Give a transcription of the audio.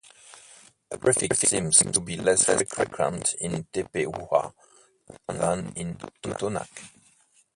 The prefix seems to be less frequent in Tepehua than in Totonac.